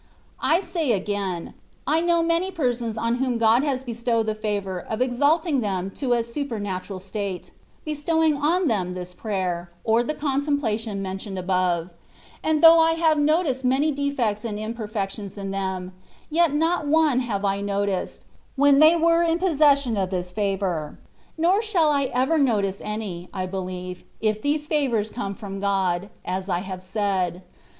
THE WAY OP PERFECTION. 187 I say again^ I know many persons on whom God has bestowed the favour of exalting them to a supernatural state^ bestowing on them this prayer, or the contemplation mentioned above; ajid though I have noticed many defects and im perfections in them, yet not one have I noticed, when they were in possession of this favour ; nor shall I ever notice any, I believe, if these favours come from God, as I have said.